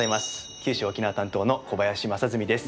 九州・沖縄担当の小林将純です。